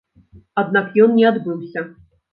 Аднак ён не адбыўся.